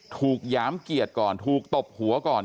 ถูกย้ำเกียจก่อนถูกตบหัวก่อน